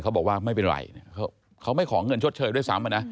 เขาบอกว่าไม่เป็นไรเขาไม่ขอเงินชดเชยด้วยซ้ำ